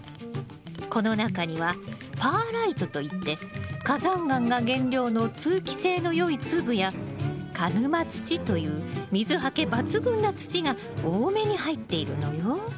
この中にはパーライトといって火山岩が原料の通気性のよい粒や鹿沼土という水はけ抜群な土が多めに入っているのよ。